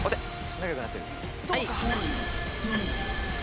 仲良くなってる。